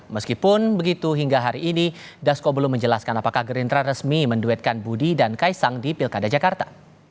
meskipun begitu hingga hari ini dasko belum menjelaskan apakah gerindra resmi menduetkan budi dan kaisang di pilkada jakarta